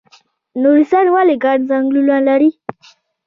نورستان ولې ګڼ ځنګلونه لري؟